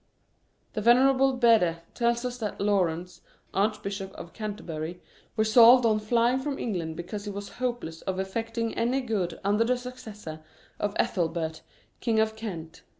The Venerable Bede tells us that Laurence, Archbishop of Canterbury, resolved on flying from England because he was hopeless of eiTecting any good under the successor of Ethelbert, king of Kent.